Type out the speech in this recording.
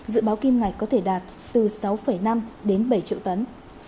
dự báo kim ngạch có thể đạt từ sáu năm đến bảy triệu tấn